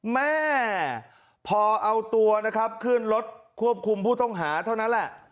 แม่พอเอาตัวนะครับขึ้นรถควบคุมผู้ต้องหาเท่านั้นแหละ